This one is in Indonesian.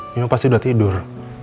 nino pasti udah tidur